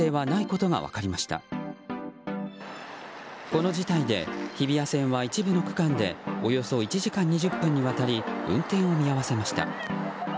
この事態で日比谷線は一部の区間でおよそ１時間２０分にわたり運転を見合わせました。